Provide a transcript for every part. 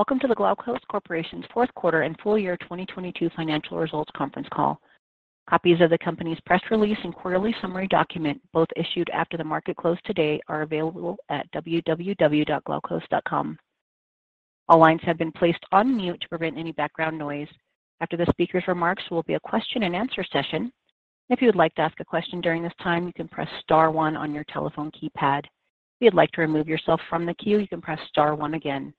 Welcome to the Glaukos Corporation Fourth Quarter and Full Year 2022 Financial Results Conference Call. Copies of the company's press release and quarterly summary document, both issued after the market close today, are available at www.glaukos.com. All lines have been placed on mute to prevent any background noise. After the speaker's remarks will be a question-and-answer session. If you would like to ask a question during this time, you can press star one on your telephone keypad. If you'd like to remove yourself from the queue, you can press star one again.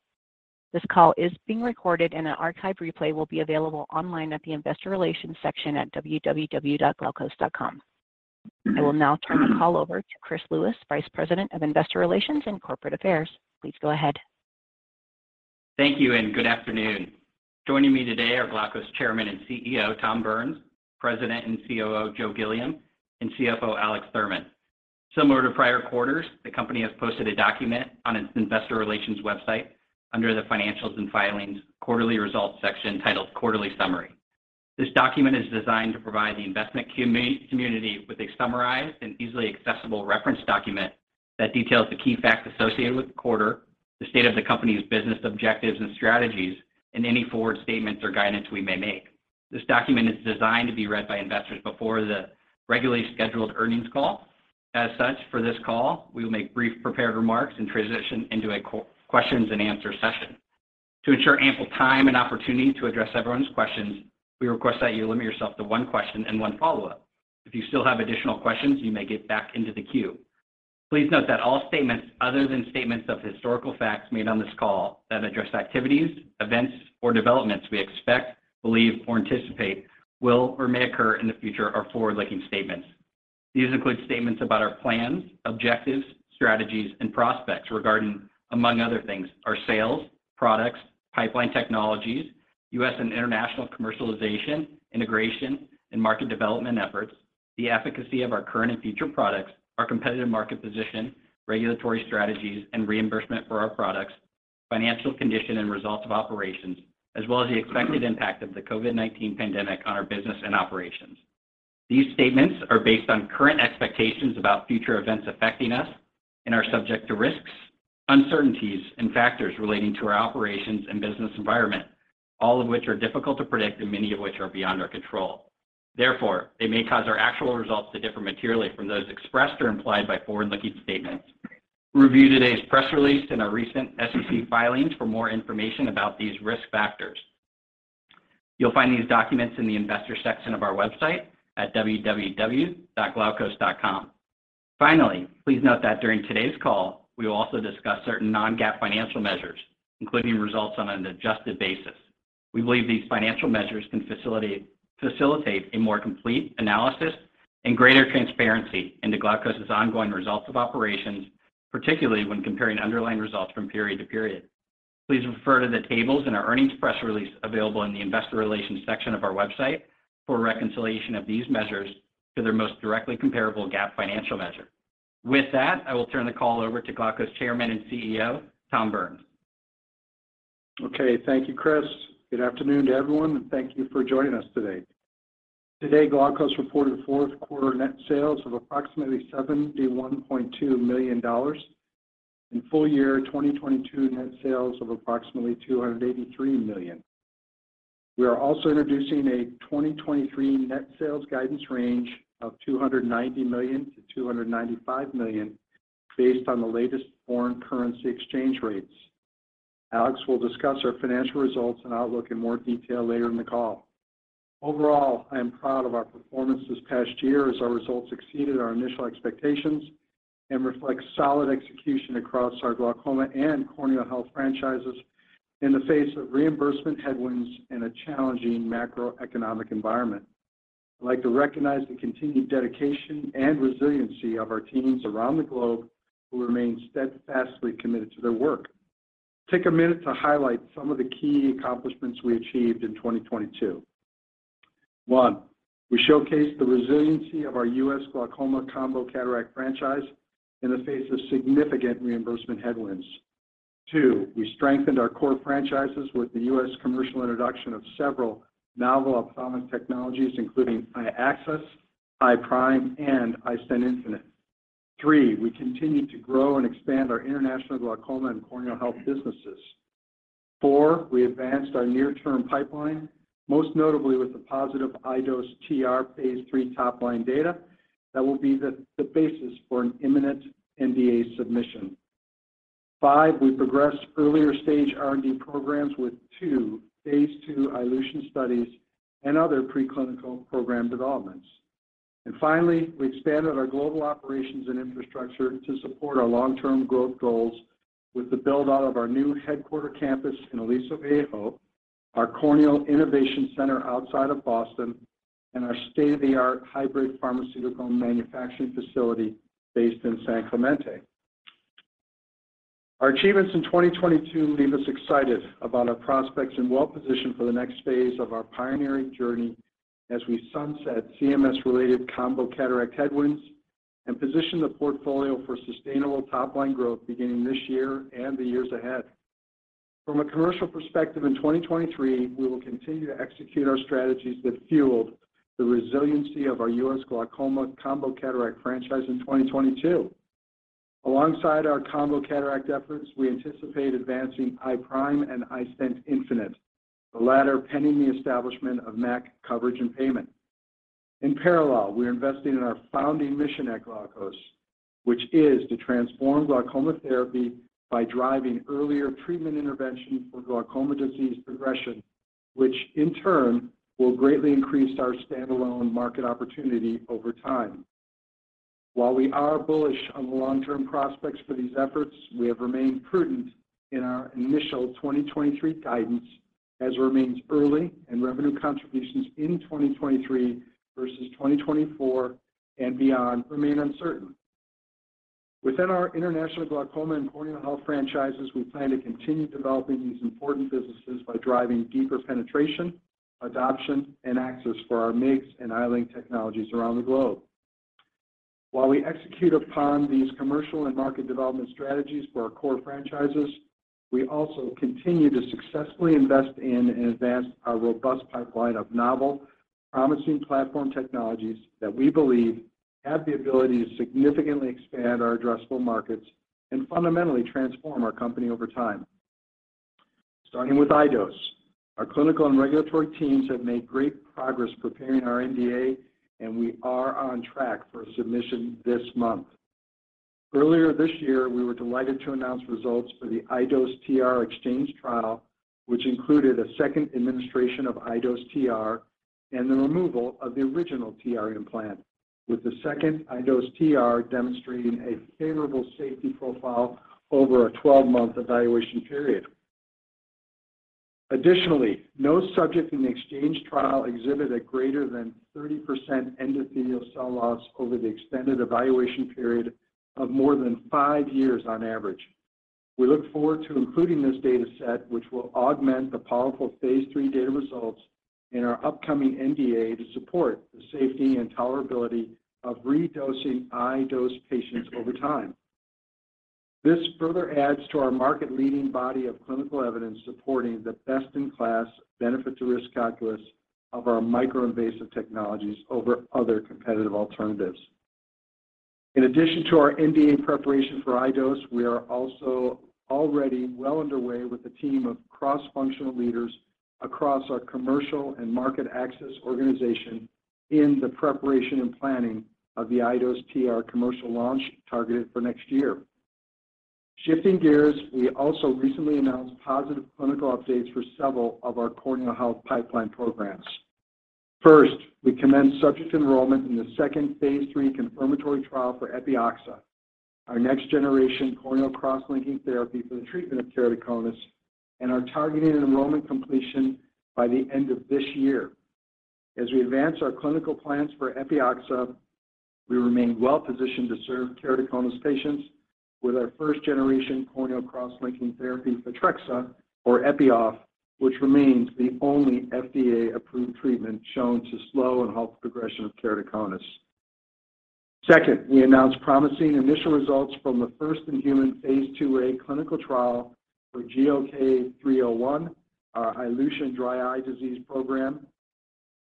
This call is being recorded and an archive replay will be available online at the investor relations section at www.glaucos.com. I will now turn the call over to Chris Lewis, Vice President of Investor Relations and Corporate Affairs. Please go ahead. Thank you, good afternoon. Joining me today are Glaukos Chairman and CEO, Tom Burns, President and COO, Joseph Gilliam, and CFO, Alex Thurman. Similar to prior quarters, the company has posted a document on its investor relations website under the Financials and Filings, Quarterly Results section titled Quarterly Summary. This document is designed to provide the investment community with a summarized and easily accessible reference document that details the key facts associated with the quarter, the state of the company's business objectives and strategies, and any forward statements or guidance we may make. This document is designed to be read by investors before the regularly scheduled earnings call. For this call, we will make brief prepared remarks and transition into a questions and answer session. To ensure ample time and opportunity to address everyone's questions, we request that you limit yourself to one question and one follow-up. If you still have additional questions, you may get back into the queue. Please note that all statements other than statements of historical facts made on this call that address activities, events, or developments we expect, believe, or anticipate will or may occur in the future are forward-looking statements. These include statements about our plans, objectives, strategies, and prospects regarding, among other things, our sales, products, pipeline technologies, U.S. and international commercialization, integration, and market development efforts, the efficacy of our current and future products, our competitive market position, regulatory strategies, and reimbursement for our products, financial condition and results of operations, as well as the expected impact of the COVID-19 pandemic on our business and operations. These statements are based on current expectations about future events affecting us and are subject to risks, uncertainties, and factors relating to our operations and business environment, all of which are difficult to predict and many of which are beyond our control. Therefore, they may cause our actual results to differ materially from those expressed or implied by forward-looking statements. Review today's press release in our recent SEC filings for more information about these risk factors. You'll find these documents in the investor section of our website at www.glaukos.com. Finally, please note that during today's call, we will also discuss certain non-GAAP financial measures, including results on an adjusted basis. We believe these financial measures can facilitate a more complete analysis and greater transparency into Glaukos' ongoing results of operations, particularly when comparing underlying results from period to period. Please refer to the tables in our earnings press release available in the investor relations section of our website for reconciliation of these measures to their most directly comparable GAAP financial measure. With that, I will turn the call over to Glaukos Chairman and CEO, Tom Burns. Okay. Thank you, Chris. Good afternoon to everyone, and thank you for joining us today. Today, Glaukos reported fourth quarter net sales of approximately $71.2 million and full year 2022 net sales of approximately $283 million. We are also introducing a 2023 net sales guidance range of $290 million-$295 million based on the latest foreign currency exchange rates. Alex will discuss our financial results and outlook in more detail later in the call. Overall, I am proud of our performance this past year as our results exceeded our initial expectations and reflect solid execution across our glaucoma and corneal health franchises in the face of reimbursement headwinds and a challenging macroeconomic environment. I'd like to recognize the continued dedication and resiliency of our teams around the globe who remain steadfastly committed to their work. Take a minute to highlight some of the key accomplishments we achieved in 2022. One, we showcased the resiliency of our U.S. glaucoma combo cataract franchise in the face of significant reimbursement headwinds. Two, we strengthened our core franchises with the U.S. commercial introduction of several novel ophthalmic technologies, including iAccess, iPRIME, and iStent infinite. Three, we continued to grow and expand our international glaucoma and corneal health businesses. Four, we advanced our near-term pipeline, most notably with the positive iDose TR phase III top-line data that will be the basis for an imminent NDA submission. Five, we progressed earlier stage R&D programs with two phase II iLution studies and other preclinical program developments. Finally, we expanded our global operations and infrastructure to support our long-term growth goals with the build-out of our new headquarter campus in Aliso Viejo, our corneal innovation center outside of Boston, and our state-of-the-art hybrid pharmaceutical manufacturing facility based in San Clemente. Our achievements in 2022 leave us excited about our prospects and well-positioned for the next phase of our pioneering journey as we sunset CMS-related combo cataract headwinds and position the portfolio for sustainable top-line growth beginning this year and the years ahead. Alongside our combo cataract efforts, we anticipate advancing iPRIME and iStent infinite, the latter pending the establishment of MAC coverage and payment. In parallel, we are investing in our founding mission at Glaukos, which is to transform glaucoma therapy by driving earlier treatment intervention for glaucoma disease progression, which in turn will greatly increase our stand-alone market opportunity over time. While we are bullish on the long-term prospects for these efforts, we have remained prudent in our initial 2023 guidance as it remains early and revenue contributions in 2023 versus 2024 and beyond remain uncertain. Within our international glaucoma and corneal health franchises, we plan to continue developing these important businesses by driving deeper penetration, adoption, and access for our MIGS and iLink technologies around the globe. While we execute upon these commercial and market development strategies for our core franchises, we also continue to successfully invest in and advance our robust pipeline of novel, promising platform technologies that we believe have the ability to significantly expand our addressable markets and fundamentally transform our company over time. Starting with iDose, our clinical and regulatory teams have made great progress preparing our NDA, and we are on track for submission this month. Earlier this year, we were delighted to announce results for the iDose TR exchange trial, which included a second administration of iDose TR and the removal of the original TR implant, with the second iDose TR demonstrating a favorable safety profile over a 12-month evaluation period. Additionally, no subject in the exchange trial exhibited greater than 30% endothelial cell loss over the extended evaluation period of more than five years on average. We look forward to including this data set, which will augment the powerful phase data results in our upcoming NDA to support the safety and tolerability of redosing iDose patients over time. This further adds to our market-leading body of clinical evidence supporting the best-in-class benefit to risk calculus of our micro-invasive technologies over other competitive alternatives. In addition to our NDA preparation for iDose, we are also already well underway with a team of cross-functional leaders across our commercial and market access organization in the preparation and planning of the iDose TR commercial launch targeted for next year. Shifting gears, we also recently announced positive clinical updates for several of our corneal health pipeline programs. First, we commenced subject enrollment in the second phase III confirmatory trial for Epioxa, our next-generation corneal cross-linking therapy for the treatment of keratoconus, and are targeting an enrollment completion by the end of this year. As we advance our clinical plans for Epioxa, we remain well-positioned to serve keratoconus patients with our first-generation corneal cross-linking therapy, Photrexa or Epi-Off, which remains the only FDA-approved treatment shown to slow and halt the progression of keratoconus. Second, we announced promising initial results from the first-in-human phase IIa clinical trial for GLK-301, our iLution Dry Eye Disease program.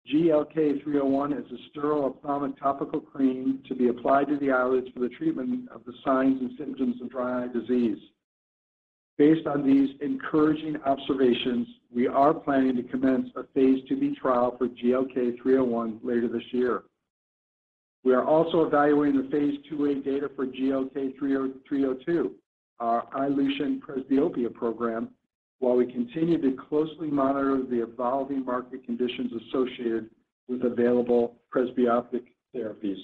GLK-301 is a sterile ophthalmic topical cream to be applied to the eyelids for the treatment of the signs and symptoms of Dry Eye Disease. Based on these encouraging observations, we are planning to commence a phase IIb trial for GLK-301 later this year. We are also evaluating the phase IIa data for GLK-302, our iLution presbyopia program, while we continue to closely monitor the evolving market conditions associated with available presbyopic therapies.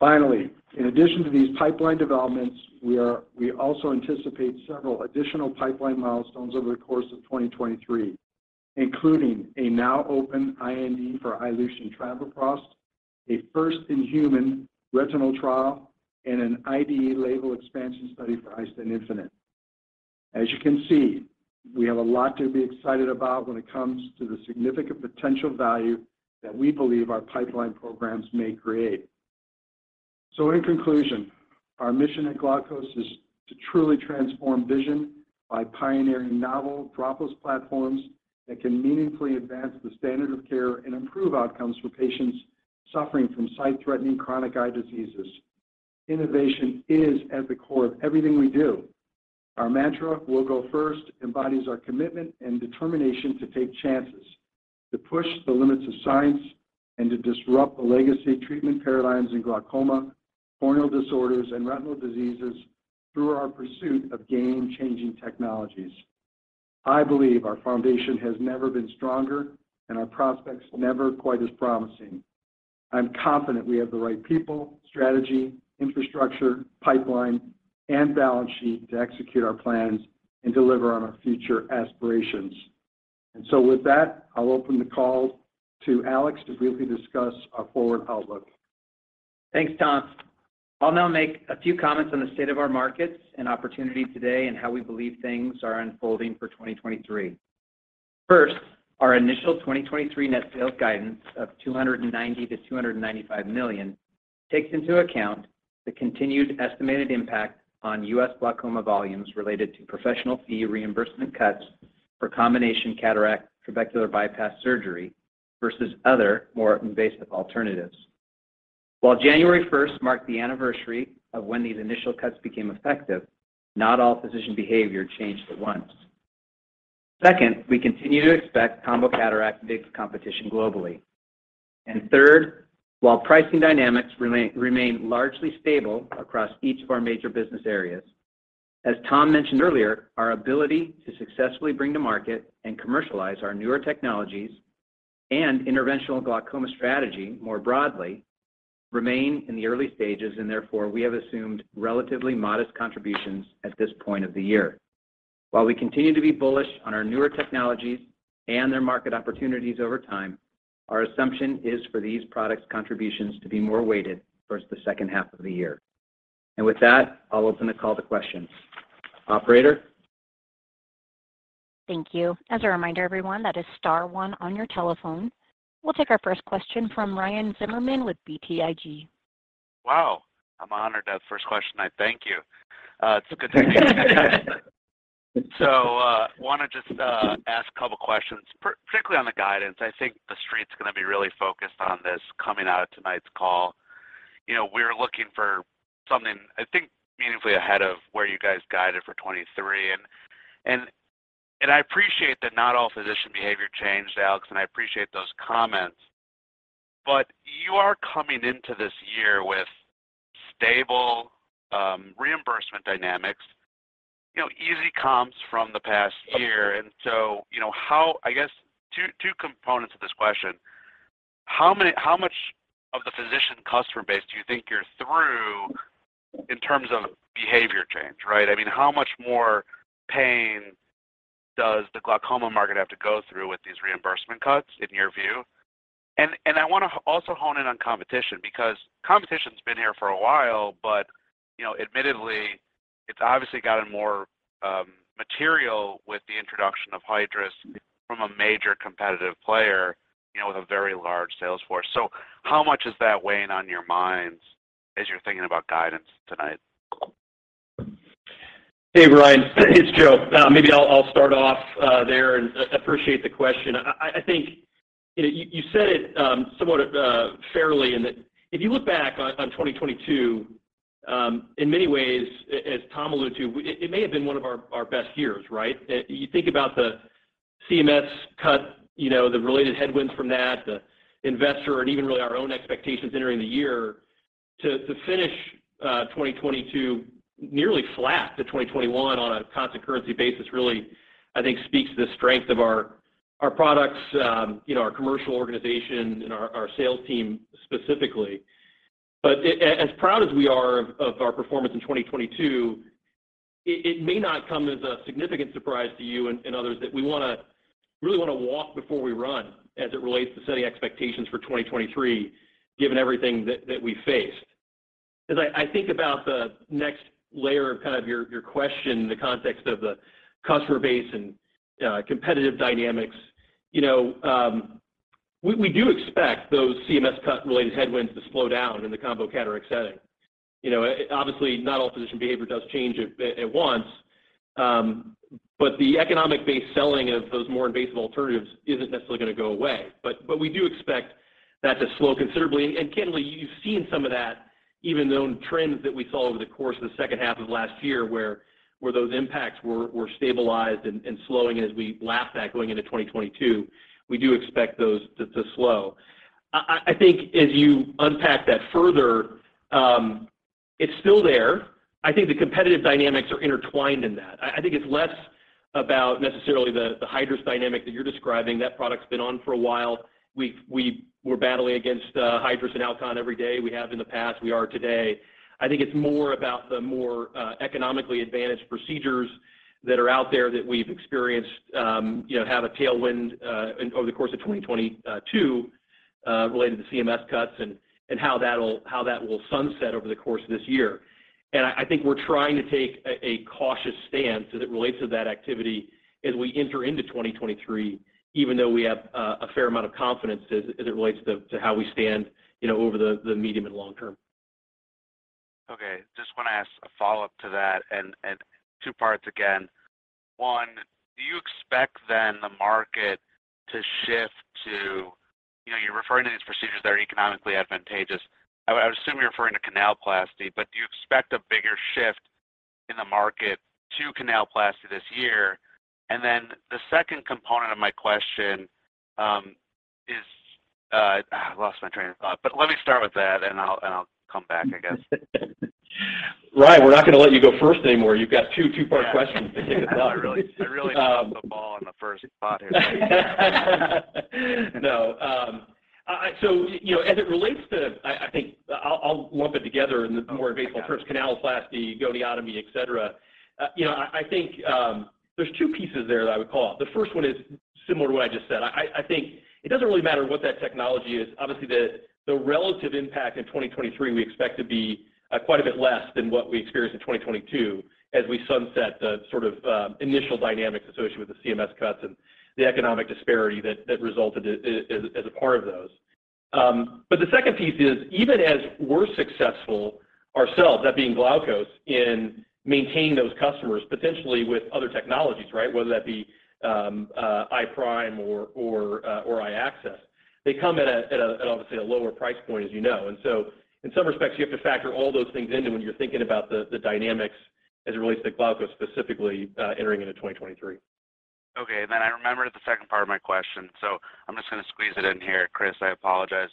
In addition to these pipeline developments, we also anticipate several additional pipeline milestones over the course of 2023, including a now open IND for iLution Travoprost, a first-in-human retinal trial, and an IDE label expansion study for iStent infinite. As you can see, we have a lot to be excited about when it comes to the significant potential value that we believe our pipeline programs may create. In conclusion, our mission at Glaukos is to truly transform vision by pioneering novel dropless platforms that can meaningfully advance the standard of care and improve outcomes for patients suffering from sight-threatening chronic eye diseases. Innovation is at the core of everything we do. Our mantra, we'll go first, embodies our commitment and determination to take chances, to push the limits of science, and to disrupt the legacy treatment paradigms in glaucoma, corneal disorders and retinal diseases through our pursuit of game-changing technologies. I believe our foundation has never been stronger and our prospects never quite as promising. I'm confident we have the right people, strategy, infrastructure, pipeline, and balance sheet to execute our plans and deliver on our future aspirations. With that, I'll open the call to Alex to briefly discuss our forward outlook. Thanks, Tom. I'll now make a few comments on the state of our markets and opportunity today and how we believe things are unfolding for 2023. First, our initial 2023 net sales guidance of $290 million-$295 million takes into account the continued estimated impact on U.S. glaucoma volumes related to professional fee reimbursement cuts For combination cataract trabecular bypass surgery versus other more invasive alternatives. While January first marked the anniversary of when these initial cuts became effective, not all physician behavior changed at once. Second, we continue to expect combo cataract to face competition globally. Third, while pricing dynamics remain largely stable across each of our major business areas, as Tom mentioned earlier, our ability to successfully bring to market and commercialize our newer technologies and interventional glaucoma strategy more broadly remain in the early stages, and therefore, we have assumed relatively modest contributions at this point of the year. While we continue to be bullish on our newer technologies and their market opportunities over time, our assumption is for these products contributions to be more weighted towards the second half of the year. With that, I'll open the call to questions. Operator. Thank you. As a reminder, everyone, that is star one on your telephone. We'll take our first question from Ryan Zimmerman with BTIG. Wow, I'm honored to have the first question tonight. Thank you. It's a good thing. Wanna just ask a couple questions, particularly on the guidance. I think the street's gonna be really focused on this coming out of tonight's call. You know, we're looking for something, I think meaningfully ahead of where you guys guided for 2023. I appreciate that not all physician behavior changed, Alex, and I appreciate those comments. You are coming into this year with stable reimbursement dynamics, you know, easy comps from the past year. You know, how I guess two components of this question. How much of the physician customer base do you think you're through in terms of behavior change, right? I mean, how much more pain does the glaucoma market have to go through with these reimbursement cuts in your view? I wanna also hone in on competition because competition's been here for a while, but you know, admittedly, it's obviously gotten more material with the introduction of Hydrus from a major competitive player, you know, with a very large sales force. How much is that weighing on your minds as you're thinking about guidance tonight? Hey, Ryan. It's Joe. Maybe I'll start off there and appreciate the question. I think, you know, you said it, somewhat fairly in that if you look back on 2022, in many ways, as Tom alluded to, it may have been one of our best years, right? You think about the CMS cut, you know, the related headwinds from that, the investor and even really our own expectations entering the year to finish 2022 nearly flat to 2021 on a constant currency basis, really, I think speaks to the strength of our products, you know, our commercial organization and our sales team specifically. As proud as we are of our performance in 2022, it may not come as a significant surprise to you and others that we wanna walk before we run as it relates to setting expectations for 2023, given everything that we faced. As I think about the next layer of kind of your question in the context of the customer base and competitive dynamics. You know, we do expect those CMS cut related headwinds to slow down in the combo cataract setting. You know, obviously, not all physician behavior does change at once. The economic-based selling of those more invasive alternatives isn't necessarily gonna go away. We do expect that to slow considerably. Candidly, you've seen some of that even though in trends that we saw over the course of the second half of last year, where those impacts were stabilized and slowing as we lap that going into 2022. We do expect those to slow. I think as you unpack that further, it's still there. I think the competitive dynamics are intertwined in that. I think it's less about necessarily the Hydrus dynamic that you're describing. That product's been on for a while. We're battling against Hydrus and Alcon every day. We have in the past, we are today. I think it's more about the more economically advantaged procedures that are out there that we've experienced, you know, have a tailwind over the course of 2022 related to CMS cuts and how that will sunset over the course of this year. I think we're trying to take a cautious stance as it relates to that activity as we enter into 2023, even though we have a fair amount of confidence as it relates to how we stand, you know, over the medium and long term. Okay, just wanna ask a follow-up to that and two parts again. One, do you expect then the market to shift to, you know, you're referring to these procedures that are economically advantageous. I assume you're referring to canaloplasty, but do you expect a bigger shift in the market to canaloplasty this year? The second component of my question, I lost my train of thought. Let me start with that, I'll come back, I guess. Ryan, we're not gonna let you go first anymore. You've got two two-part questions to kick us off. I really dropped the ball on the first spot here. No. You know, as it relates to, I think I'll lump it together in the more invasive approach, canaloplasty, goniotomy, et cetera. You know, I think there's two pieces there that I would call. The first one is similar to what I just said. I think it doesn't really matter what that technology is. Obviously, the relative impact in 2023, we expect to be quite a bit less than what we experienced in 2022 as we sunset the sort of initial dynamics associated with the CMS cuts and the economic disparity that resulted as a part of those. The second piece is, even as we're successful ourselves, that being Glaukos in maintaining those customers, potentially with other technologies, right? Whether that be iPRIME or iAccess. They come at obviously a lower price point, as you know. In some respects, you have to factor all those things into when you're thinking about the dynamics as it relates to glaucoma, specifically, entering into 2023. I remembered the second part of my question, so I'm just gonna squeeze it in here, Chris, I apologize.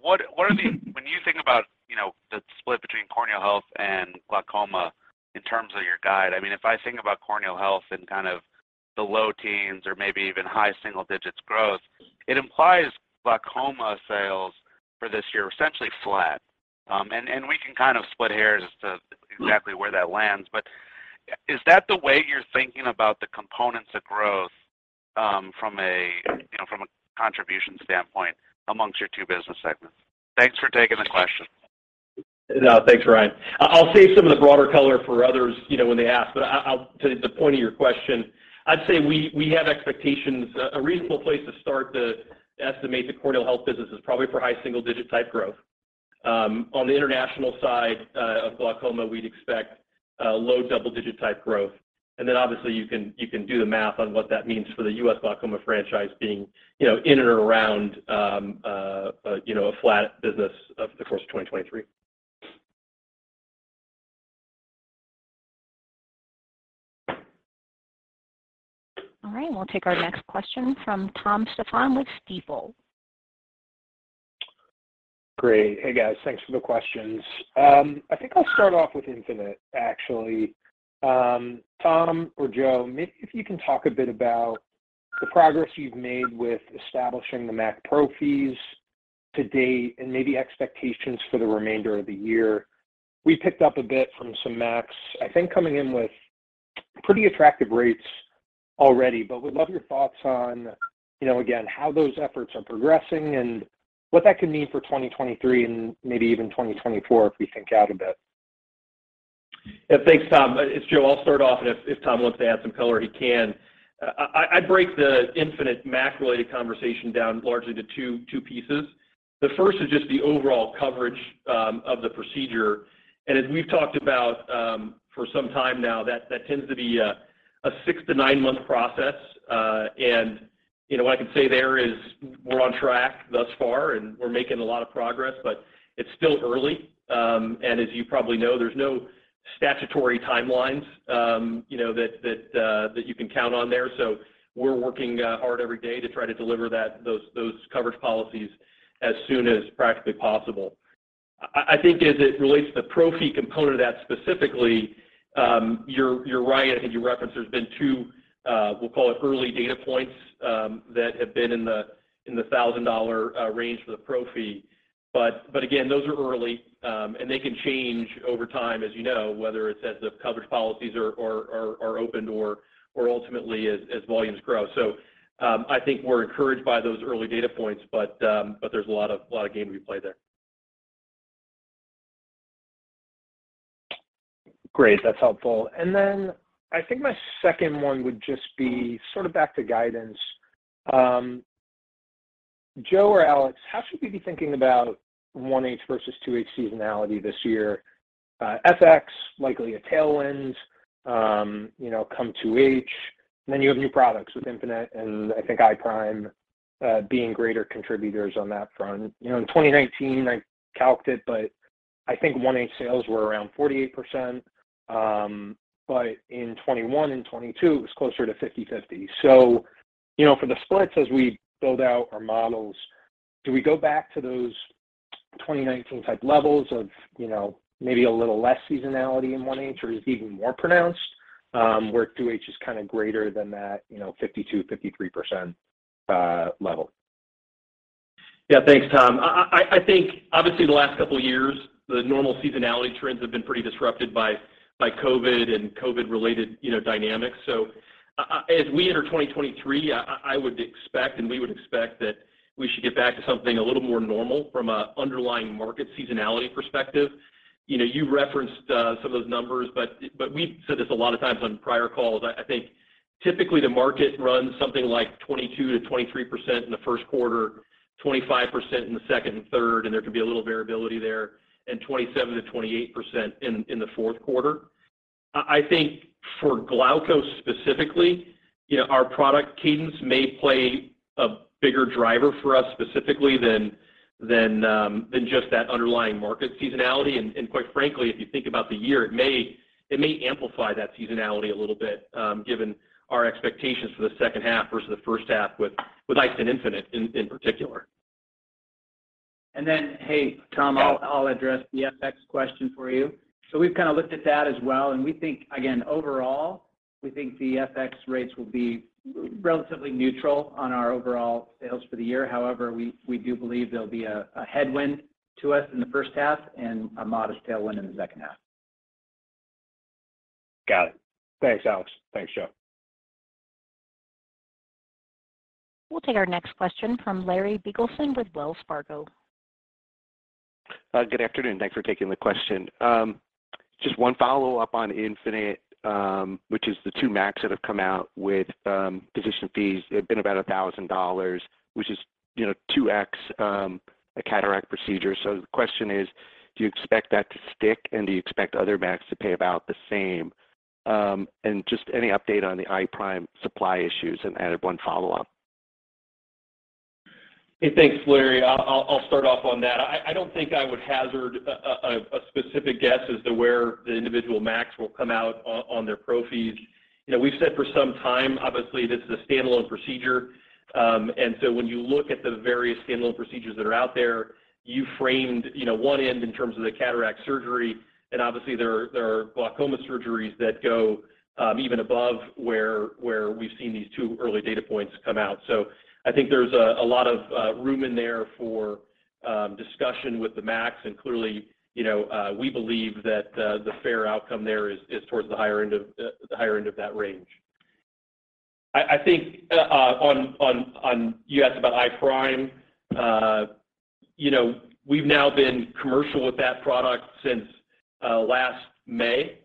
What are the... When you think about, you know, the split between corneal health and glaucoma in terms of your guide. I mean, if I think about corneal health in kind of the low teens or maybe even high single digits growth, it implies glaucoma sales for this year are essentially flat. And we can kind of split hairs as to exactly where that lands, but is that the way you're thinking about the components of growth, you know, from a contribution standpoint amongst your two business segments? Thanks for taking the question. No, thanks, Ryan. I'll save some of the broader color for others, you know, when they ask, but I'll To the point of your question, I'd say we have expectations. A reasonable place to start to estimate the corneal health business is probably for high single-digit type growth. On the international side of glaucoma, we'd expect low double-digit type growth. Obviously you can do the math on what that means for the U.S. glaucoma franchise being, you know, in and around, you know, a flat business of the course of 2023. All right, we'll take our next question from Tom Stephan with Stifel. Great. Hey guys. Thanks for the questions. I think I'll start off with infinite, actually. Tom or Joe, if you can talk a bit about the progress you've made with establishing the MAC pro fees to date and maybe expectations for the remainder of the year. We picked up a bit from some MACs, I think coming in with pretty attractive rates already, but would love your thoughts on, you know, again, how those efforts are progressing and what that could mean for 2023 and maybe even 2024, if we think out a bit. Yeah. Thanks, Tom. It's Joe. I'll start off, and if Tom wants to add some color, he can. I break the Infinite MAC-related conversation down largely to two pieces. The first is just the overall coverage of the procedure. As we've talked about for some time now, that tends to be a six to nine-month process. You know, what I can say there is we're on track thus far, and we're making a lot of progress, but it's still early. As you probably know, there's no statutory timelines, you know, that you can count on there. We're working hard every day to try to deliver those coverage policies as soon as practically possible. I think as it relates to the pro fee component of that specifically, you're right. I think you referenced there's been two, we'll call it early data points, that have been in the $1,000 range for the pro fee. But again, those are early, and they can change over time as you know, whether it's as the coverage policies are opened or ultimately as volumes grow. I think we're encouraged by those early data points, but there's a lot of game to be played there. Great. That's helpful. I think my second one would just be sort of back to guidance. Joe or Alex, how should we be thinking about H1 versus H2 seasonality this year? FX, likely a tailwind, you know, come H2. You have new products with iStent infinite and I think iPRIME beings on that front. You know, in 2019, I calced it, but I think H1 sale were at 48% but in 2021 and 2022 it was close to 50/50. So you know, for the splits as we build our models, do we go back to those 2019-type levels of, you know, maybe a little less seasonality in H1 or is it even more pronounced, where H2 is kinda greater than that, you know, 52%-53% level? Yeah. Thanks, Tom. I think obviously the last couple of years, the normal seasonality trends have been pretty disrupted by COVID and COVID-related, you know, dynamics. As we enter 2023, I would expect and we would expect that we should get back to something a little more normal from an underlying market seasonality perspective. You know, you referenced some of those numbers, but we've said this a lot of times on prior calls. I think typically the market runs something like 22%-23% in the first quarter, 25% in the second and third, and there could be a little variability there, and 27%-28% in the fourth quarter. I think for Glaukos specifically, you know, our product cadence may play a bigger driver for us specifically than just that underlying market seasonality. Quite frankly, if you think about the year, it may amplify that seasonality a little bit, given our expectations for the second half versus the first half with iDose and Infinite in particular. Hey, Tom, I'll address the FX question for you. We've kinda looked at that as well, and we think, again, overall, we think the FX rates will be relatively neutral on our overall sales for the year. However, we do believe there'll be a headwind to us in the first half and a modest tailwind in the second half. Got it. Thanks, Alex. Thanks, Joe. We'll take our next question from Larry Biegelsen with Wells Fargo. Good afternoon. Thanks for taking the question. Just one follow-up on Infinite, which is the two MACs that have come out with physician fees. They've been about $1,000, which is, you know, 2x a cataract procedure. The question is, do you expect that to stick, and do you expect other MACs to pay about the same? Just any update on the iPRIME supply issues, and added one follow-up. Hey, thanks, Larry. I'll start off on that. I don't think I would hazard a specific guess as to where the individual MACs will come out on their pro fees. You know, we've said for some time, obviously, this is a standalone procedure. When you look at the various standalone procedures that are out there, you framed, you know, one end in terms of the cataract surgery, and obviously there are glaucoma surgeries that go even above where we've seen these two early data points come out. So I think there's a lot of room in there for discussion with the MACs. Clearly, you know, we believe that the fair outcome there is towards the higher end of the higher end of that range. I think You asked about iPRIME. You know, we've now been commercial with that product since last May,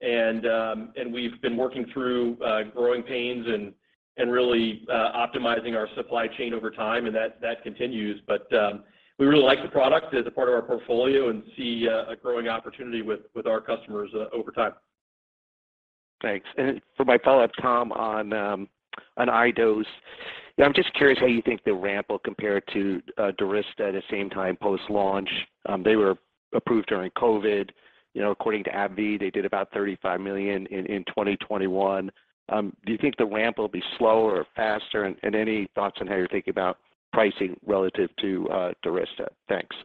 and we've been working through growing pains and really optimizing our supply chain over time, and that continues. We really like the product as a part of our portfolio and see a growing opportunity with our customers over time. Thanks. For my follow-up, Tom, on iDose. You know, I'm just curious how you think the ramp will compare to, DURYSTA at the same time post-launch. They were approved during COVID. You know, according to AbbVie, they did about $35 million in 2021. Do you think the ramp will be slower or faster? And, any thoughts on how you're thinking about pricing relative to, DURYSTA? Thanks.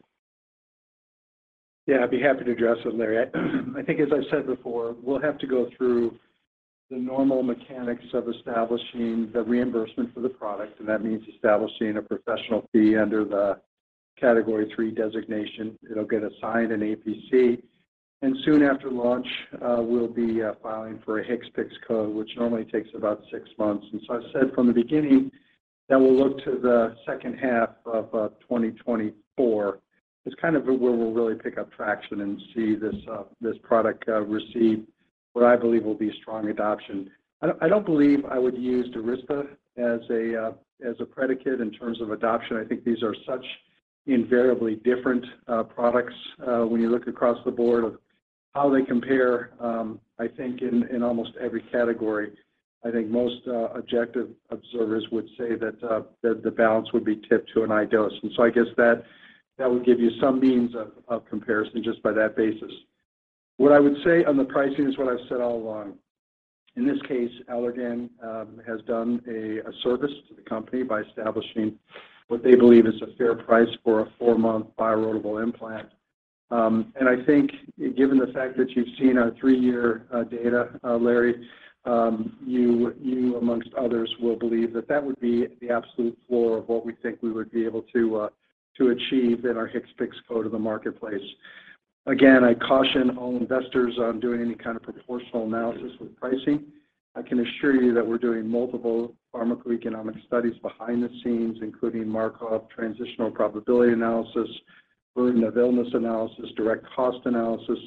Yeah, I'd be happy to address that, Larry. I think as I said before, we'll have to go through the normal mechanics of establishing the reimbursement for the product, that means establishing a professional fee under the Category III designation. It'll get assigned an APC. Soon after launch, we'll be filing for a HCPCS code, which normally takes about 6 months. I've said from the beginning that we'll look to the second half of 2024 as kind of where we'll really pick up traction and see this product receive what I believe will be strong adoption. I don't believe I would use DURYSTA as a as a predicate in terms of adoption. I think these are such invariably different products when you look across the board of how they compare, I think in almost every category. I think most objective observers would say that the balance would be tipped to an iDose. I guess that would give you some means of comparison just by that basis. What I would say on the pricing is what I've said all along. In this case, Allergan has done a service to the company by establishing what they believe is a fair price for a four-month bioerodible implant. I think given the fact that you've seen our three-year data, Larry, you amongst others will believe that that would be the absolute floor of what we think we would be able to achieve in our HCPCS code of the marketplace. Again, I caution all investors on doing any kind of proportional analysis with pricing. I can assure you that we're doing multiple pharmacoeconomic studies behind the scenes, including Markov, transitional probability analysis, burden of illness analysis, direct cost analysis,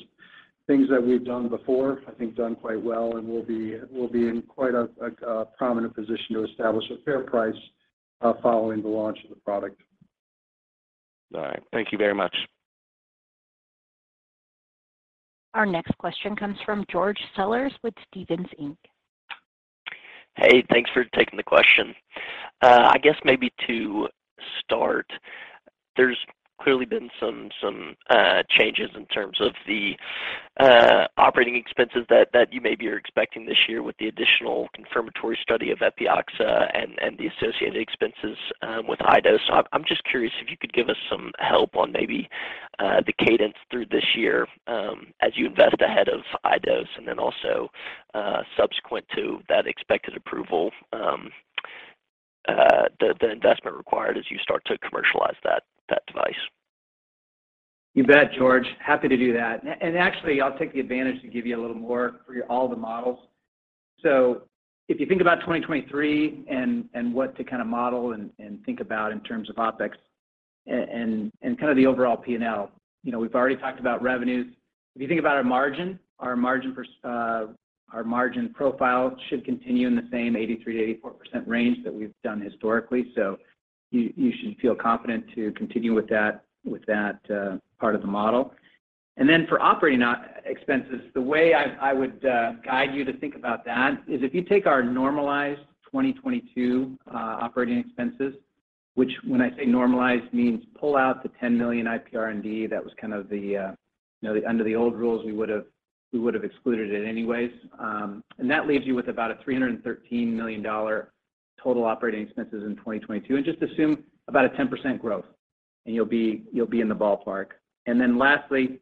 things that we've done before, I think done quite well and will be in quite a prominent position to establish a fair price following the launch of the product. All right. Thank you very much. Our next question comes from George Sellers with Stephens Inc. Hey, thanks for taking the question. I guess maybe to start, there's clearly been some changes in terms of the operating expenses that you maybe are expecting this year with the additional confirmatory study of Epioxa and the associated expenses with iDose. I'm just curious if you could give us some help on maybe the cadence through this year, as you invest ahead of iDose and then also subsequent to that expected approval, the investment required as you start to commercialize that device. You bet, George. Happy to do that. Actually, I'll take the advantage to give you a little more for all the models. If you think about 2023 and what to kind of model and think about in terms of OpEx and kind of the overall P&L. You know, we've already talked about revenues. If you think about our margin, our margin profile should continue in the same 83%-84% range that we've done historically. You should feel confident to continue with that part of the model. For operating expenses, the way I would guide you to think about that is if you take our normalized 2022 operating expenses, which when I say normalized means pull out the $10 million IPR&D, that was kind of the, you know, under the old rules, we would've excluded it anyways. That leaves you with about a $313 million total operating expenses in 2022. Just assume about a 10% growth, and you'll be in the ballpark. Lastly,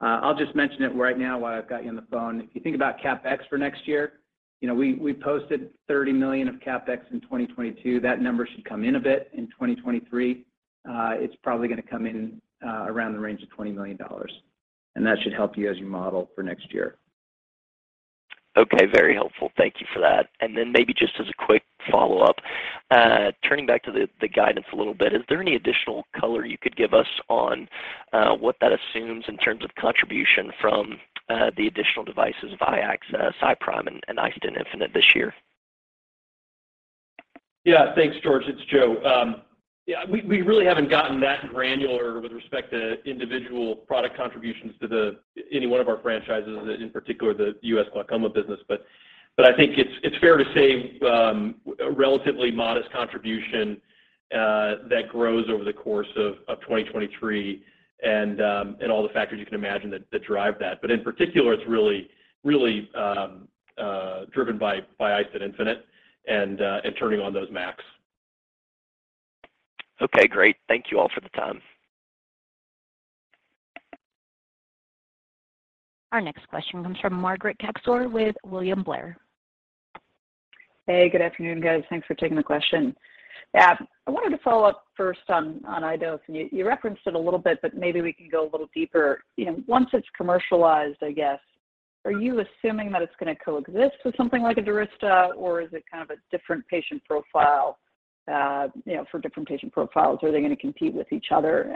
I'll just mention it right now while I've got you on the phone. If you think about CapEx for next year, you know, we posted $30 million of CapEx in 2022. That number should come in a bit in 2023. It's probably gonna come in around the range of $20 million. That should help you as you model for next year. Okay, very helpful. Thank you for that. Maybe just as a quick follow-up, turning back to the guidance a little bit, is there any additional color you could give us on what that assumes in terms of contribution from the additional devices via iAccess, iPRIME and iStent infinite this year? Yeah. Thanks, George. It's Joe. Yeah, we really haven't gotten that granular with respect to individual product contributions to any one of our franchises, in particular the U.S. glaucoma business. I think it's fair to say a relatively modest contribution that grows over the course of 2023 and all the factors you can imagine that drive that. In particular, it's really driven by iStent infinite and turning on those MACs. Okay, great. Thank you all for the time. Our next question comes from Margaret Kaczor with William Blair. Good afternoon, guys. Thanks for taking the question. I wanted to follow up first on iDose. You, you referenced it a little bit, but maybe we can go a little deeper. You know, once it's commercialized, I guess, are you assuming that it's gonna coexist with something like a DURYSTA, or is it kind of a different patient profile, you know, for different patient profiles? Are they gonna compete with each other?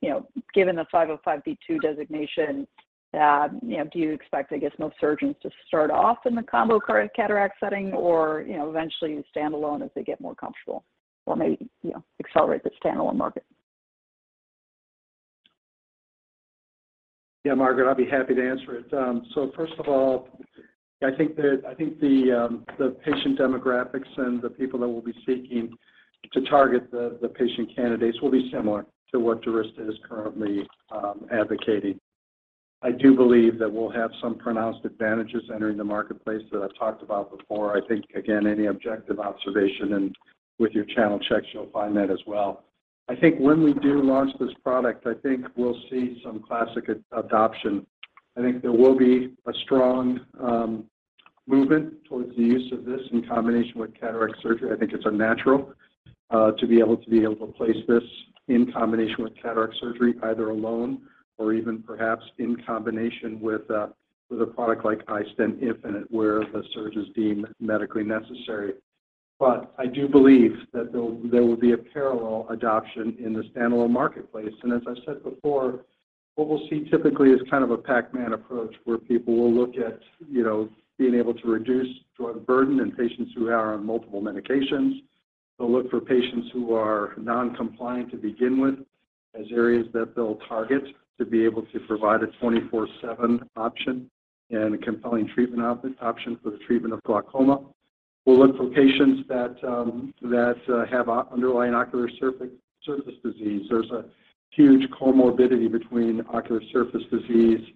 You know, given the 505(b)(2) designation, you know, do you expect, I guess, most surgeons to start off in the combo current cataract setting or, you know, eventually standalone as they get more comfortable or maybe, you know, accelerate the standalone market? Yeah, Margaret, I'll be happy to answer it. First of all, I think the patient demographics and the people that we'll be seeking to target the patient candidates will be similar to what DURYSTA is currently advocating. I do believe that we'll have some pronounced advantages entering the marketplace that I've talked about before. I think, again, any objective observation, and with your channel checks, you'll find that as well. I think when we do launch this product, I think we'll see some classic a-adoption. I think there will be a strong movement towards the use of this in combination with cataract surgery. I think it's unnatural to be able to place this in combination with cataract surgery, either alone or even perhaps in combination with a product like iStent infinite, where the surge is deemed medically necessary. I do believe that there will be a parallel adoption in the standalone marketplace. As I said before, what we'll see typically is kind of a Pac-Man approach, where people will look at, you know, being able to reduce drug burden in patients who are on multiple medications. They'll look for patients who are non-compliant to begin with as areas that they'll target to be able to provide a 24/7 option and a compelling treatment option for the treatment of glaucoma. We'll look for patients that have underlying ocular surface disease. There's a huge comorbidity between ocular surface disease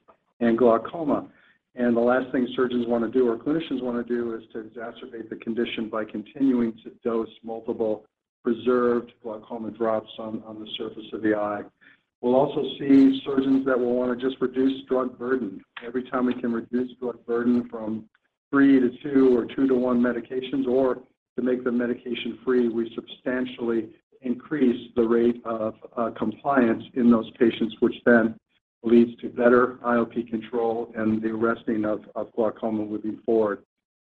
and glaucoma. The last thing surgeons want to do or clinicians want to do is to exacerbate the condition by continuing to dose multiple preserved glaucoma drops on the surface of the eye. We'll also see surgeons that will want to just reduce drug burden. Every time we can reduce drug burden from three to two or two to one medications, or to make them medication-free, we substantially increase the rate of compliance in those patients, which then leads to better IOP control and the arresting of glaucoma moving forward.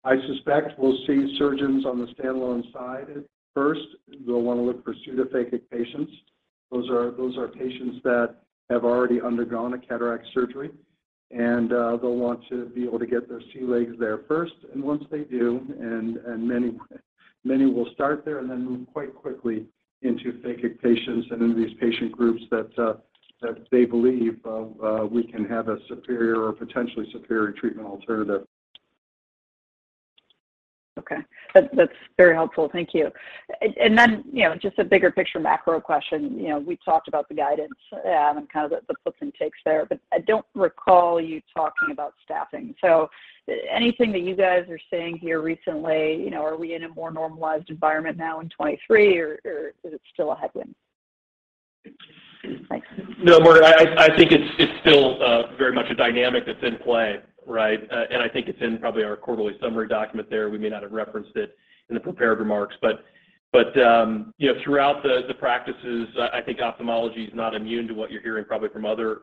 I suspect we'll see surgeons on the standalone side first. They'll want to look for pseudophakic patients. Those are patients that have already undergone a cataract surgery, and they'll want to be able to get their sea legs there first. Once they do, and many will start there and then move quite quickly into phakic patients and into these patient groups that they believe we can have a superior or potentially superior treatment alternative. Okay. That's very helpful. Thank you. You know, just a bigger picture macro question. You know, we talked about the guidance, and kind of the puts and takes there, but I don't recall you talking about staffing. Anything that you guys are seeing here recently, you know, are we in a more normalized environment now in 2023 or is it still a headwind? Thanks. No, Margaret, I think it's still very much a dynamic that's in play, right? I think it's in probably our quarterly summary document there. We may not have referenced it in the prepared remarks. You know, throughout the practices, I think ophthalmology is not immune to what you're hearing probably from other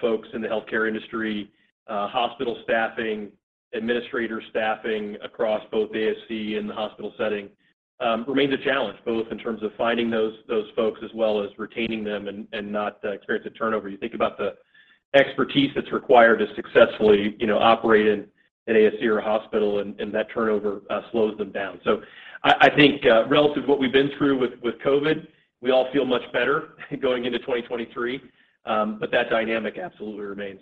folks in the healthcare industry. Hospital staffing, administrator staffing across both ASC and the hospital setting, remains a challenge, both in terms of finding those folks as well as retaining them and not experience the turnover. You think about the expertise that's required to successfully, you know, operate in an ASC or a hospital, and that turnover slows them down. I think, relative to what we've been through with COVID, we all feel much better going into 2023. That dynamic absolutely remains.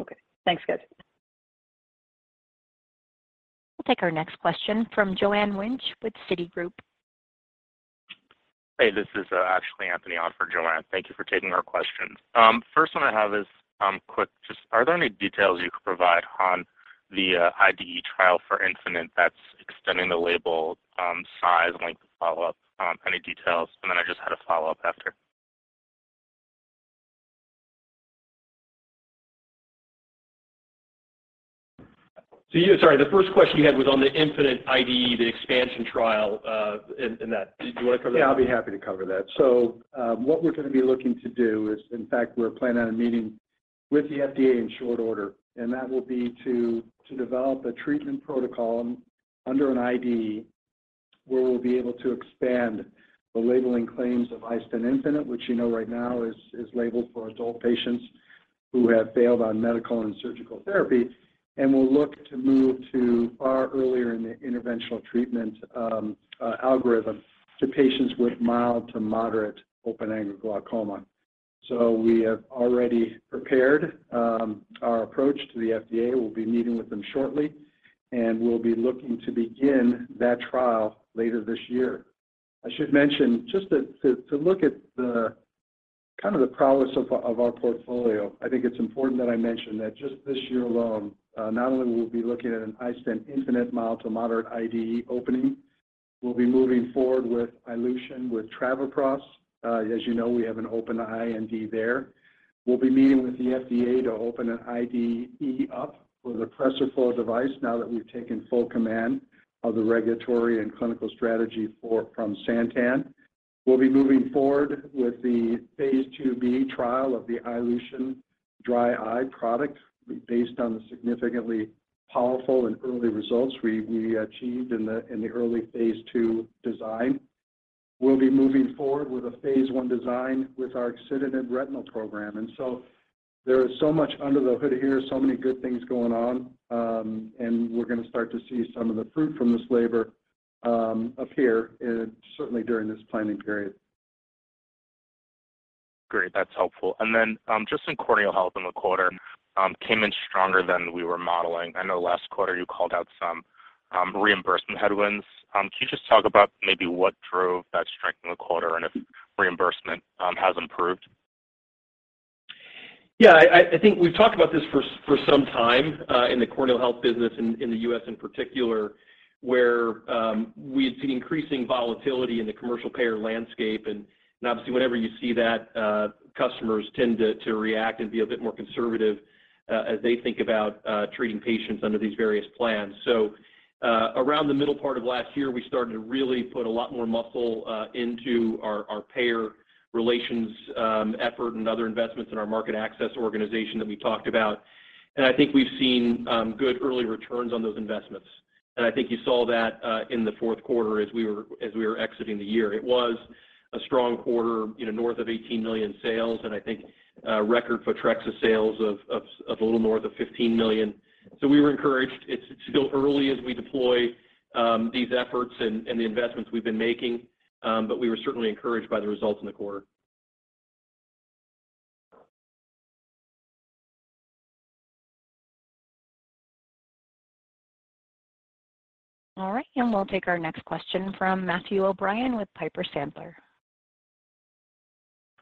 Okay. Thanks, guys. We'll take our next question from Joanne Wuensch with Citigroup. Hey, this is actually Anthony on for Joanne. Thank you for taking our questions. First one I have is quick. Just are there any details you could provide on the IDE trial for Infinite that's extending the label, size and length of follow-up, any details? Then I just had a follow-up after. You, sorry, the first question you had was on the infinite IDE, the expansion trial, in that. Do you wanna cover that? I'll be happy to cover that. What we're gonna be looking to do is, in fact, we're planning on a meeting with the FDA in short order, and that will be to develop a treatment protocol under an IDE where we'll be able to expand the labeling claims of iStent infinite, which you know right now is labeled for adult patients who have failed on medical and surgical therapy. We'll look to move to far earlier in the interventional treatment algorithm to patients with mild to moderate open-angle glaucoma. We have already prepared our approach to the FDA. We'll be meeting with them shortly, and we'll be looking to begin that trial later this year. I should mention just to look at the kind of the prowess of our portfolio. I think it's important that I mention that just this year alone, not only will we be looking at an iStent infinite mild to moderate IDE opening, we'll be moving forward with iLution with travoprost. As you know, we have an open IND there. We'll be meeting with the FDA to open an IDE up for the PRESERFLO device now that we've taken full command of the regulatory and clinical strategy from Santen. We'll be moving forward with the phase IIb trial of the iLution dry eye product based on the significantly powerful and early results we achieved in the early phase II design. We'll be moving forward with a phase I design with our excimer retinal program. There is so much under the hood here, so many good things going on, and we're gonna start to see some of the fruit from this labor, appear in certainly during this planning period. Great. That's helpful. Then, just in corneal health in the quarter, came in stronger than we were modeling. I know last quarter you called out some reimbursement headwinds. Can you just talk about maybe what drove that strength in the quarter and if reimbursement has improved? Yeah. I think we've talked about this for some time in the corneal health business in the U.S. in particular, where we had seen increasing volatility in the commercial payer landscape. Obviously whenever you see that, customers tend to react and be a bit more conservative as they think about treating patients under these various plans. Around the middle part of last year, we started to really put a lot more muscle into our payer relations effort and other investments in our market access organization that we talked about. I think we've seen good early returns on those investments. I think you saw that in the fourth quarter as we were exiting the year. It was a strong quarter, you know, north of $18 million sales and I think record for Photrexa sales of a little more than $15 million. We were encouraged. It's still early as we deploy these efforts and the investments we've been making, but we were certainly encouraged by the results in the quarter. All right. We'll take our next question from Matt O'Brien with Piper Sandler.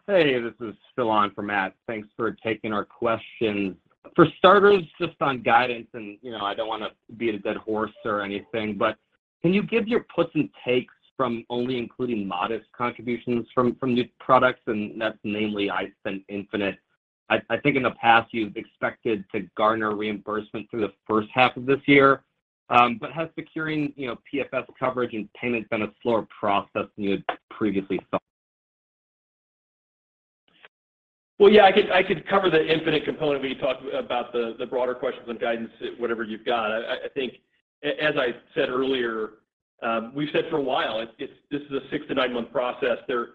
Hey, this is Phil on for Matt. Thanks for taking our questions. For starters, just on guidance, you know, I don't wanna beat a dead horse or anything, can you give your puts and takes from only including modest contributions from new products, and that's namely iStent infinite. I think in the past, you've expected to garner reimbursement through the first half of this year. Has securing, you know, PFS coverage and payment been a slower process than you had previously thought? Well, yeah, I could cover the Infinite component when you talk about the broader questions on guidance, whatever you've got. I think as I said earlier, we've said for a while, it's this is a six to nine-month process. There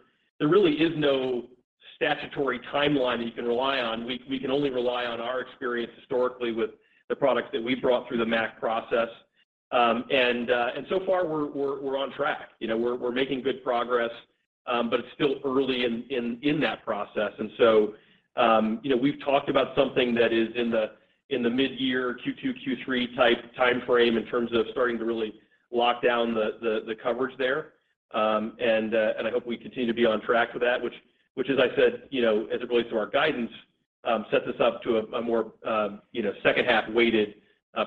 really is no statutory timeline that you can rely on. We can only rely on our experience historically with the products that we've brought through the MAC process. So far, we're on track. You know, we're making good progress, but it's still early in that process. You know, we've talked about something that is in the mid-year Q2, Q3 type timeframe in terms of starting to really lock down the coverage there. I hope we continue to be on track with that, which as I said, you know, as it relates to our guidance, sets us up to a more, you know, second half-weighted,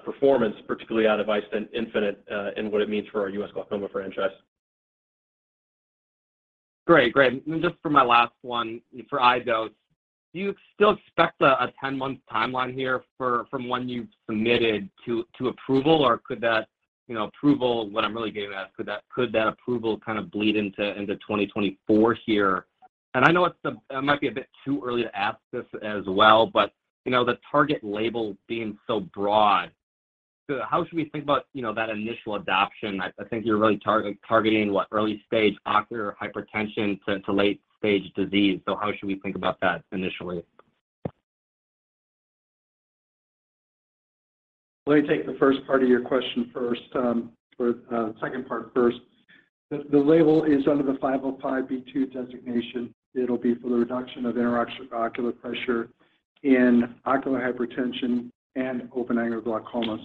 performance, particularly out of iStent infinite, and what it means for our U.S. glaucoma franchise. Great. Great. Just for my last one, for iDose, do you still expect a 10-month timeline here from when you've submitted to approval, or could that, you know, approval... What I'm really getting at, could that approval kind of bleed into 2024 here? I know it's it might be a bit too early to ask this as well, but, you know, the target label being so broad, so how should we think about, you know, that initial adoption? I think you're really targeting, what, early-stage ocular hypertension to late-stage disease. How should we think about that initially? Let me take the first part of your question first, or second part first. The label is under the 505(b)(2) designation. It'll be for the reduction of ocular pressure in ocular hypertension and open-angle glaucoma.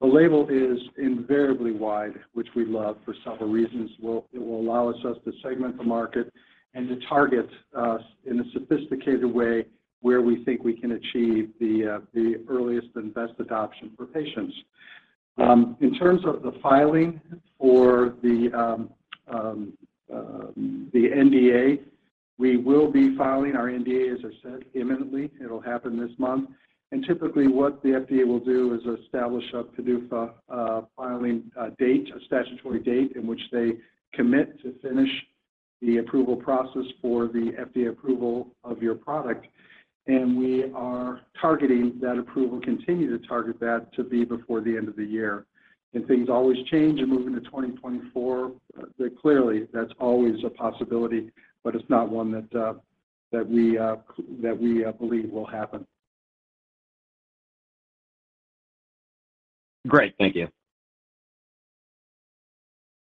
The label is invariably wide, which we love for several reasons. It will allow us to segment the market and to target us in a sophisticated way where we think we can achieve the earliest and best adoption for patients. In terms of the filing for the NDA, we will be filing our NDA, as I said, imminently. It'll happen this month. Typically, what the FDA will do is establish a PDUFA filing date, a statutory date in which they commit to finish the approval process for the FDA approval of your product. We are targeting that approval, continue to target that to be before the end of the year. Things always change in moving to 2024. Clearly that's always a possibility, but it's not one that we believe will happen. Great. Thank you.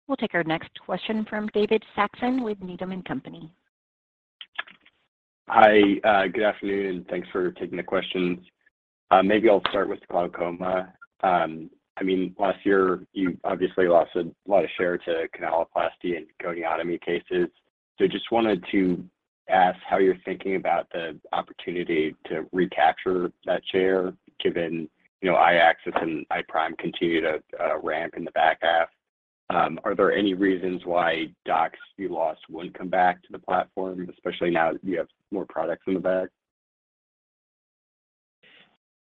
We'll take our next question from David Saxon with Needham & Company. Hi. Good afternoon. Thanks for taking the questions. Maybe I'll start with glaucoma. I mean, last year, you obviously lost a lot of share to canaloplasty and goniotomy cases. Just wanted to ask how you're thinking about the opportunity to recapture that share given, you know, iAccess and iPRIME continue to ramp in the back half. Are there any reasons why docs you lost wouldn't come back to the platform, especially now that you have more products in the bag?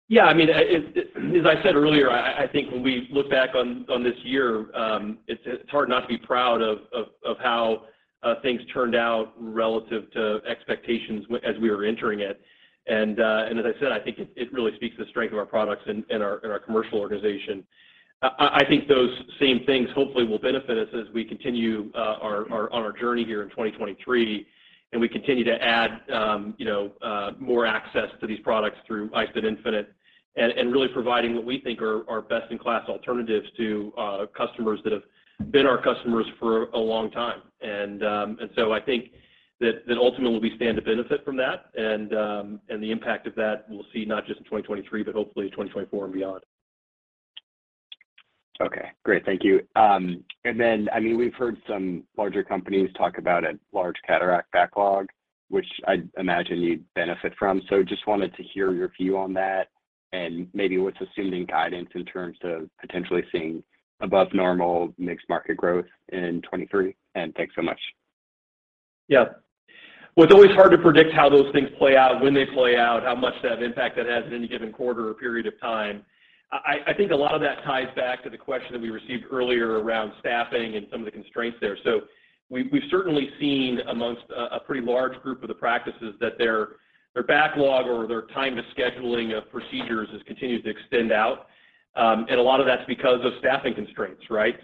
Yeah. I mean, as I said earlier, I think when we look back on this year, it's hard not to be proud of how things turned out relative to expectations as we were entering it. As I said, I think it really speaks to the strength of our products and our commercial organization. I think those same things hopefully will benefit us as we continue on our journey here in 2023, and we continue to add, you know, more access to these products through iStent infinite and really providing what we think are best in class alternatives to customers that have been our customers for a long time. I think that ultimately we stand to benefit from that. The impact of that we'll see not just in 2023, but hopefully in 2024 and beyond. Okay, great. Thank you. I mean, we've heard some larger companies talk about a large cataract backlog, which I imagine you'd benefit from. Just wanted to hear your view on that and maybe what's assumed in guidance in terms of potentially seeing above normal mixed market growth in 2023. Thanks so much. Yeah. Well, it's always hard to predict how those things play out, when they play out, how much of impact that has in any given quarter or period of time. I think a lot of that ties back to the question that we received earlier around staffing and some of the constraints there. We've certainly seen amongst a pretty large group of the practices that their backlog or their time to scheduling of procedures has continued to extend out. A lot of that's because of staffing constraints, right?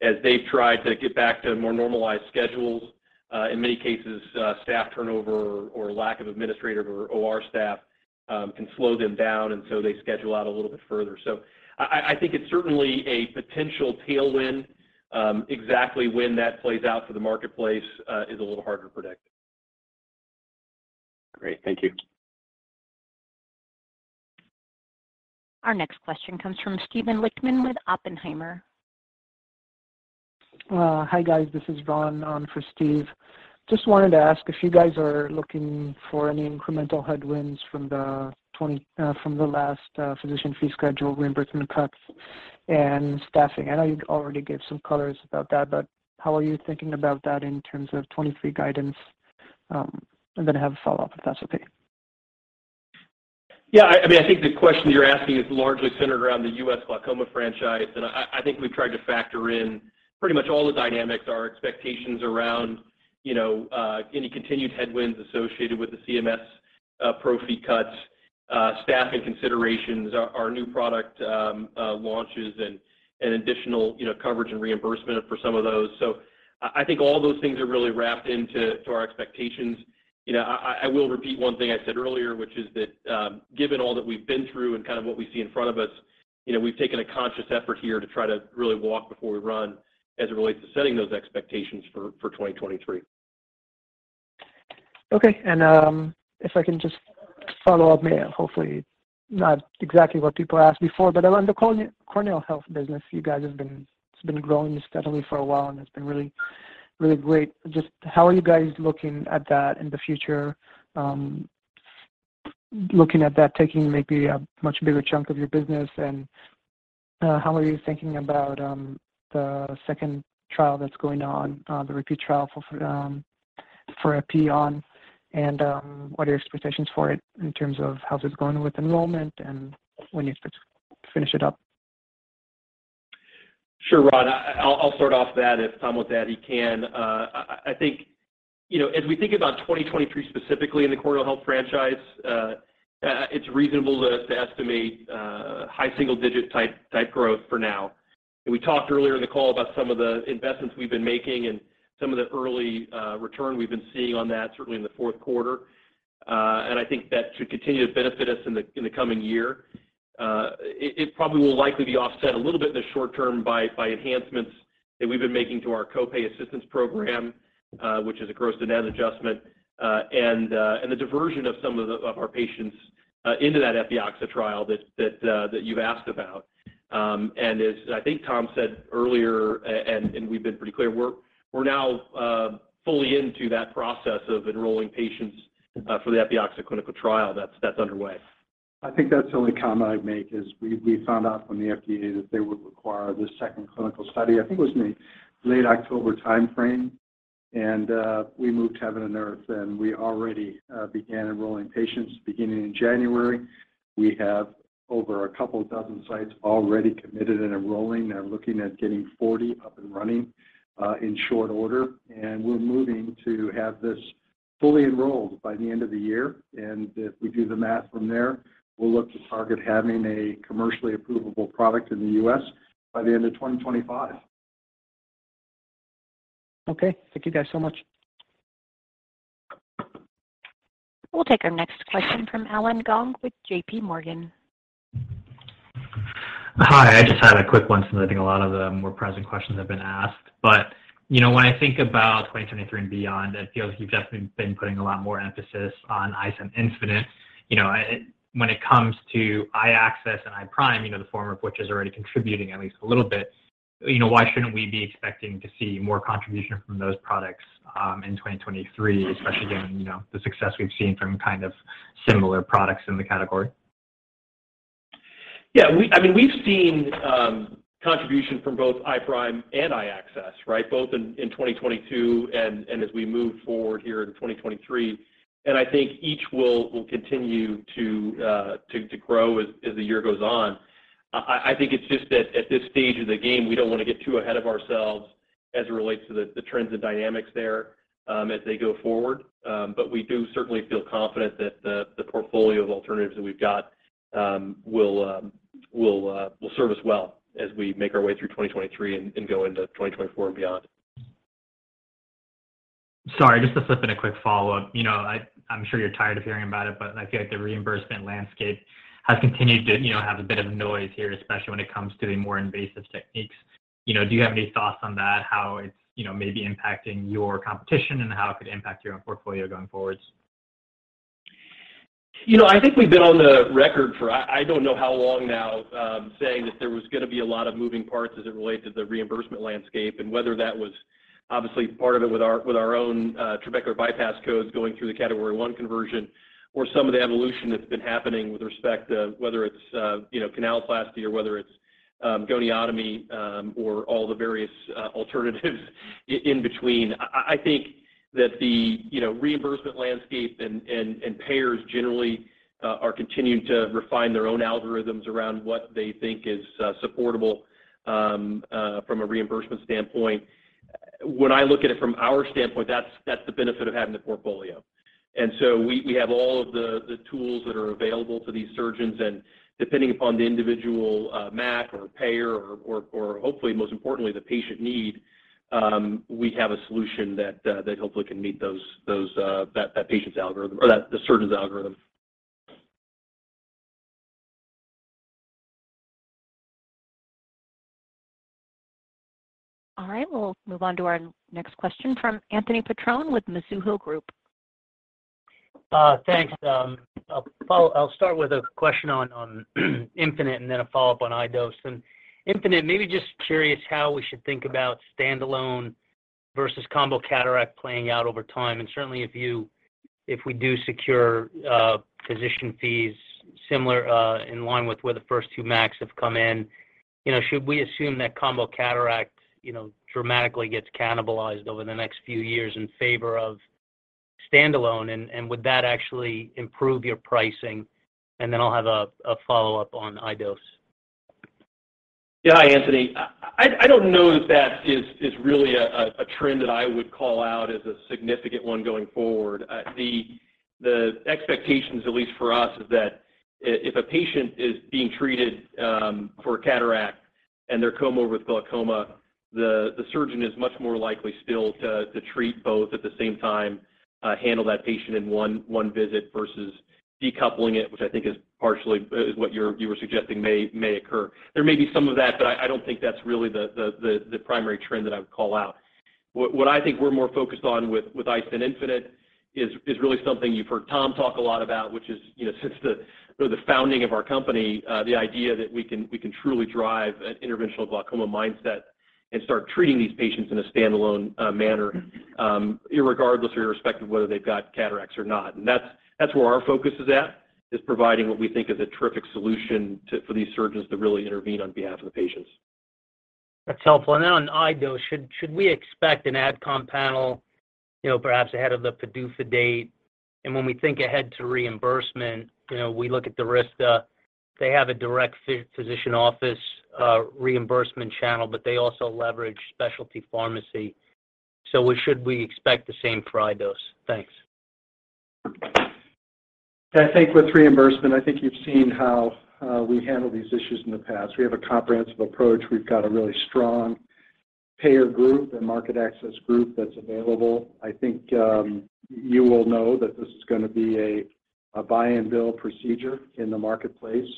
As they've tried to get back to more normalized schedules, in many cases, staff turnover or lack of administrative or OR staff can slow them down. They schedule out a little bit further. I think it's certainly a potential tailwind. Exactly when that plays out for the marketplace, is a little harder to predict. Great. Thank you. Our next question comes from Steven Lichtman with Oppenheimer. Hi, guys. This is Ron for Steve. Just wanted to ask if you guys are looking for any incremental headwinds from the last physician fee schedule reimbursement cuts and staffing. I know you already gave some colors about that, but how are you thinking about that in terms of 2023 guidance? Have a follow-up if that's okay? Yeah. I mean, I think the question you're asking is largely centered around the U.S. glaucoma franchise, and I think we've tried to factor in pretty much all the dynamics, our expectations around, you know, any continued headwinds associated with the CMS pro fee cuts, staffing considerations, our new product launches and additional, you know, coverage and reimbursement for some of those. I think all those things are really wrapped into our expectations. You know, I will repeat one thing I said earlier, which is that, given all that we've been through and kind of what we see in front of us, you know, we've taken a conscious effort here to try to really walk before we run as it relates to setting those expectations for 2023. Okay. If I can just follow up, maybe hopefully not exactly what people asked before, but around the Corneal Health business it's been growing steadily for a while, and it's been really, really great. Just how are you guys looking at that in the future, looking at that taking maybe a much bigger chunk of your business? How are you thinking about the second trial that's going on, the repeat trial for Epi-On? What are your expectations for it in terms of how's it going with enrollment and when you finish it up? Sure, Ron. I'll start off that if, Tom, if that you can. I think, you know, as we think about 2023 specifically in the Corneal Health franchise, it's reasonable to estimate high single-digit type growth for now. We talked earlier in the call about some of the investments we've been making and some of the early return we've been seeing on that certainly in the fourth quarter. I think that should continue to benefit us in the coming year. It probably will likely be offset a little bit in the short term by enhancements that we've been making to our co-pay assistance program, which is a gross to net adjustment, and the diversion of some of our patients into that Epioxa trial that you've asked about. As I think Tom said earlier, and we've been pretty clear, we're now fully into that process of enrolling patients for the Epioxa clinical trial that's underway. I think that's the only comment I'd make is we found out from the FDA that they would require this second clinical study. I think it was in the late October timeframe. We moved heaven and earth, we already began enrolling patients beginning in January. We have over a couple dozen sites already committed and enrolling. They're looking at getting 40 up and running in short order. We're moving to have this fully enrolled by the end of the year. If we do the math from there, we'll look to target having a commercially approvable product in the U.S. by the end of 2025. Okay. Thank you guys so much. We'll take our next question from Allen Gong with JPMorgan. Hi. I just had a quick one since I think a lot of the more pressing questions have been asked. You know, when I think about 2023 and beyond, it feels like you've definitely been putting a lot more emphasis on iDose and iStent infinite. You know, when it comes to iAccess and iPRIME, you know, the former of which is already contributing at least a little bit, you know, why shouldn't we be expecting to see more contribution from those products in 2023, especially given, you know, the success we've seen from kind of similar products in the category? Yeah, I mean, we've seen contribution from both iPRIME and iAccess, right? Both in 2022 and as we move forward here in 2023. I think each will continue to grow as the year goes on. I think it's just that at this stage of the game, we don't wanna get too ahead of ourselves as it relates to the trends and dynamics there as they go forward. We do certainly feel confident that the portfolio of alternatives that we've got will serve us well as we make our way through 2023 and go into 2024 and beyond. Sorry, just to slip in a quick follow-up. You know, I'm sure you're tired of hearing about it, but I feel like the reimbursement landscape has continued to, you know, have a bit of noise here, especially when it comes to the more invasive techniques. You know, do you have any thoughts on that, how it's, you know, maybe impacting your competition and how it could impact your own portfolio going forward? You know, I think we've been on the record for I don't know how long now, saying that there was going to be a lot of moving parts as it relates to the reimbursement landscape and whether that was obviously part of it with our, with our own trabecular bypass codes going through the Category I conversion or some of the evolution that's been happening with respect to whether it's, you know, canaloplasty or whether it's goniotomy, or all the various alternatives in between. I think that the, you know, reimbursement landscape and payers generally are continuing to refine their own algorithms around what they think is supportable from a reimbursement standpoint. When I look at it from our standpoint, that's the benefit of having the portfolio. We have all of the tools that are available to these surgeons. Depending upon the individual, MAC or payer or hopefully most importantly the patient need, we have a solution that hopefully can meet those, that patient's algorithm or the surgeon's algorithm. All right, we'll move on to our next question from Anthony Petrone with Mizuho Group. Thanks. I'll start with a question on iStent infinite and then a follow-up on iDose. On iStent infinite, maybe just curious how we should think about standalone versus combo cataract playing out over time. Certainly if we do secure physician fees similar in line with where the first two MACs have come in, you know, should we assume that combo cataract, you know, dramatically gets cannibalized over the next few years in favor of standalone? Would that actually improve your pricing? Then I'll have a follow-up on iDose. Yeah. Hi, Anthony. I don't know that that is really a trend that I would call out as a significant one going forward. The expectations, at least for us, is that if a patient is being treated for a cataract and they're co-morbid with glaucoma, the surgeon is much more likely still to treat both at the same time, handle that patient in one visit versus decoupling it, which I think is partially is what you're, you were suggesting may occur. There may be some of that. I don't think that's really the primary trend that I would call out. What I think we're more focused on with iDose and iStent infinite is really something you've heard Tom talk a lot about, which is, you know, since the, you know, the founding of our company, the idea that we can truly drive an interventional glaucoma mindset and start treating these patients in a standalone manner, irregardless or irrespective of whether they've got cataracts or not. And that's where our focus is at, is providing what we think is a terrific solution for these surgeons to really intervene on behalf of the patients. That's helpful. Then on iDose, should we expect an AdCom panel, you know, perhaps ahead of the PDUFA date? When we think ahead to reimbursement, you know, we look at DURYSTA, they have a direct physician office reimbursement channel, but they also leverage specialty pharmacy. Should we expect the same for iDose? Thanks. I think with reimbursement, I think you've seen how we handle these issues in the past. We have a comprehensive approach. We've got a really strong payer group and market access group that's available. I think, you will know that this is gonna be a buy and bill procedure in the marketplace.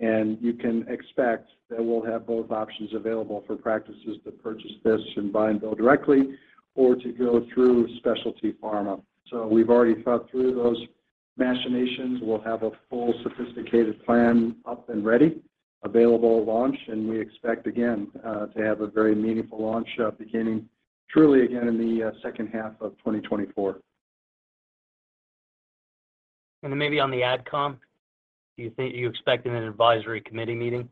You can expect that we'll have both options available for practices to purchase this and buy and bill directly or to go through specialty pharma. We've already thought through those machinations. We'll have a full sophisticated plan up and ready, available at launch, and we expect again to have a very meaningful launch beginning truly again in the second half of 2024. Maybe on the AdCom, do you expect an advisory committee meeting?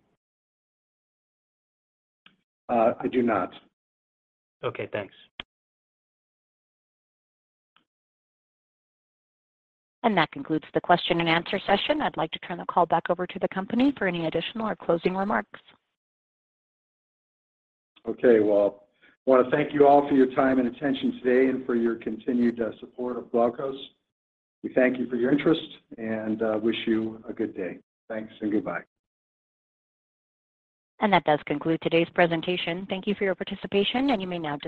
I do not. Okay, thanks. That concludes the question and answer session. I'd like to turn the call back over to the company for any additional or closing remarks. Okay. Well, I wanna thank you all for your time and attention today and for your continued support of Glaukos. We thank you for your interest and wish you a good day. Thanks and goodbye. That does conclude today's presentation. Thank you for your participation, and you may now disconnect.